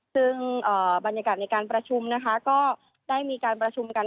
ซึ่งบรรยากาศในการประชุมนะคะก็ได้มีการประชุมกัน